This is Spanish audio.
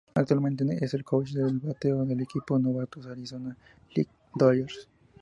Actualmente es el coach de bateo del equipo de novatos "Arizona League Dodgers".